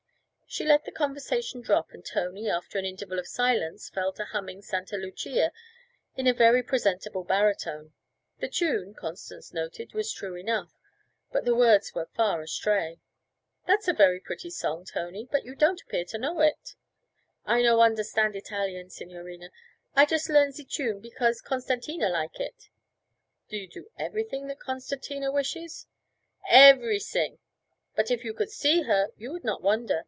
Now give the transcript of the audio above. She let the conversation drop, and Tony, after an interval of silence, fell to humming Santa Lucia in a very presentable baritone. The tune, Constance noted, was true enough, but the words were far astray. 'That's a very pretty song, Tony, but you don't appear to know it.' 'I no understand Italian, signorina. I just learn ze tune because Costantina like it.' 'You do everything that Costantina wishes?' 'Everysing! But if you could see her you would not wonder.